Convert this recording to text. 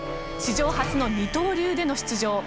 史上初の二刀流での出場。